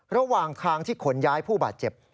ระหว่างทางที่ขนย้ายผู้บาดเจ็บ